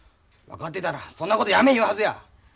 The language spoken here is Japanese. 分かってたらそんなことやめ言うはずや！